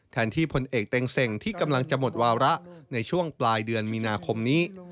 ที่พลเอกเต็งเซ็งที่กำลังจะหมดวาระในช่วงปลายเดือนมีนาคมนี้